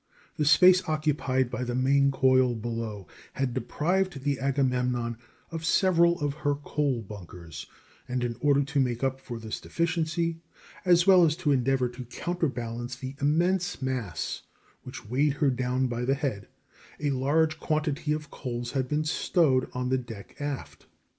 The space occupied by the main coil below had deprived the Agamemnon of several of her coal bunkers, and in order to make up for this deficiency, as well as to endeavor to counterbalance the immense mass which weighed her down by the head, a large quantity of coals had been stowed on the deck aft.